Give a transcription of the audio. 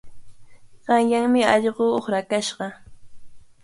Qanyanmi allqu uqrakashqa.